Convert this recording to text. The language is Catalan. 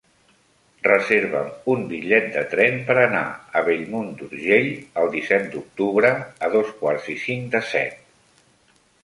Reserva'm un bitllet de tren per anar a Bellmunt d'Urgell el disset d'octubre a dos quarts i cinc de set.